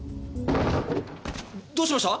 どうしました！？